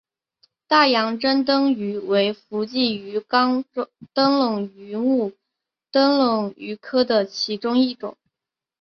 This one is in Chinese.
大洋珍灯鱼为辐鳍鱼纲灯笼鱼目灯笼鱼科的其中一种。